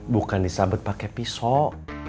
bukan disabet pake pisau